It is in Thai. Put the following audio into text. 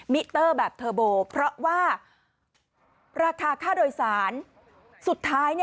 มิเตอร์แบบเทอร์โบเพราะว่าราคาค่าโดยสารสุดท้าย